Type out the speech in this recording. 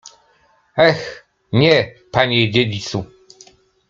— Eh, nie, panie dziedzicu!